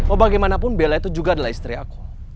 oh bagaimanapun bella itu juga adalah istri aku